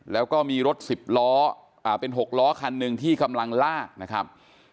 แล้วก็มีรถ๑๐ล้อเป็น๖ล้อคันหนึ่งที่กำลังลากนะครับ